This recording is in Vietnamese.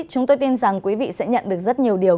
chúng tôi tin rằng quý vị sẽ nhận được rất nhiều điều